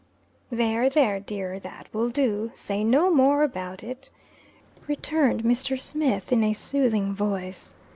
"There, there, dear! That will do. Say no more about it," returned Mr. Smith, in a soothing voice.